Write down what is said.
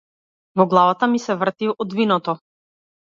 Во главата ми се врти од виното.